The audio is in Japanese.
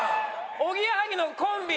おぎやはぎのコンビ。